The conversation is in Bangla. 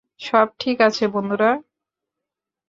সব ঠিক আছে, বন্ধুরা?